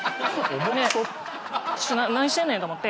何してんねん？と思って。